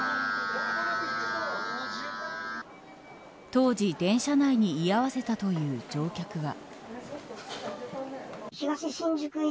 当時、電車内に居合わせたという乗客は。